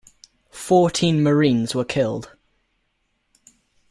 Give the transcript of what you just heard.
Fourteen Marines were killed.